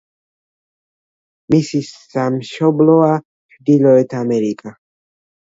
მისი სამშობლოა ჩრდილოეთ ამერიკა.